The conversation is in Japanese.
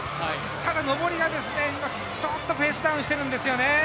ただ上りがちょっとペースダウンしてるんですよね。